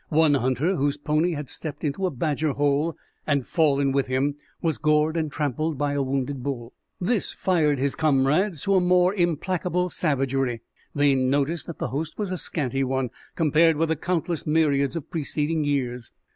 One hunter, whose pony had stepped into a badger hole and fallen with him, was gored and trampled by a wounded bull. This fired his comrades to a more implacable savagery. They noticed that the host was a scanty one compared with the countless myriads of preceding years.